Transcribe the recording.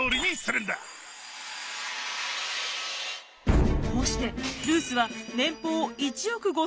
こうしてルースは年俸１億５，０００万円をゲット。